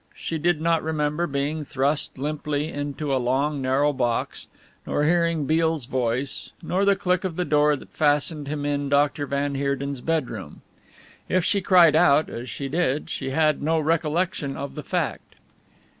She did not remember being thrust limply into a long narrow box, nor hearing Beale's voice, nor the click of the door that fastened him in Dr. van Heerden's bedroom. If she cried out, as she did, she had no recollection of the fact.